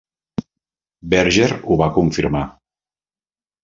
Berger ho va confirmar.